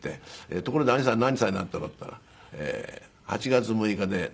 「ところで兄さん何歳になったの？」って言ったら「８月６日で７６」。